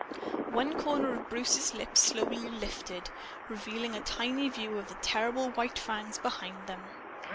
One corner of Bruce's lips slowly lifted, revealing a tiny view of the terrible white fangs behind them.